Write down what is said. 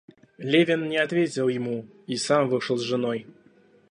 Левин не ответил ему и сам вышел с женой.